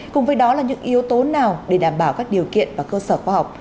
cùng với đó là những yếu tố nào để đảm bảo các điều kiện và cơ sở khoa học